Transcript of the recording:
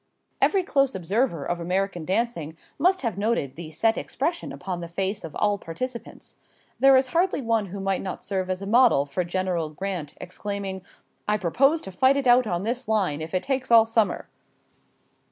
Every close observer of American dancing must have noted the set expression upon the face of all participants. There is hardly one who might not serve as a model for General Grant exclaiming: "I propose to fight it out on this line if it takes all summer."